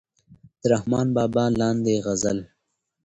د رحمان بابا لاندې غزل